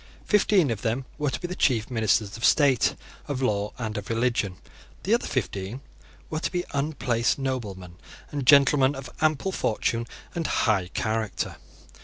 Fifteen of them were to be the chief ministers of state, of law, and of religion. The other fifteen were to be unplaced noblemen and gentlemen of ample fortune and high character.